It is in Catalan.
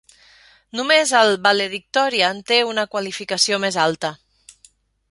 Només el "valedictorian" té una qualificació més alta.